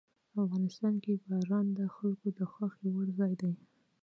افغانستان کې باران د خلکو د خوښې وړ ځای دی.